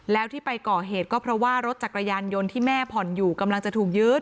แล้วที่ไปก่อเหตุก็เพราะว่ารถจักรยานยนต์ที่แม่ผ่อนอยู่กำลังจะถูกยึด